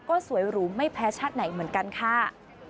ก็สวยหรูไม่แพ้ชาติไหนเหมือนกันค่ะ